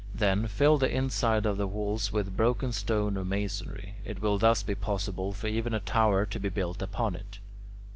Then, fill the inside of the wall with broken stone or masonry. It will thus be possible for even a tower to be built upon it.